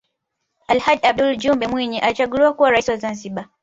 alhaj aboud jumbe mwinyi alichaguliwa kuwa raisi wa zanzibar